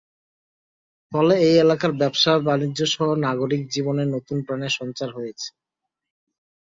ফলে এ এলাকার ব্যবসা-বাণিজ্যসহ নাগরিক জীবনে নতুন প্রাণের সঞ্চার হয়েছে।